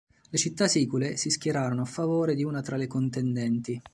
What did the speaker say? Le città sicule si schierarono a favore di una tra le contendenti.